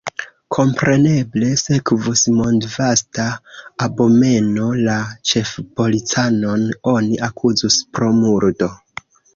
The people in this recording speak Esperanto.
Kompreneble sekvus mondvasta abomeno, la ĉefpolicanon oni akuzus pro murdo.